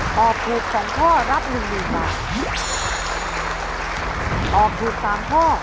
ตอบถูก๓ข้อรับ๑๐๐๐บาท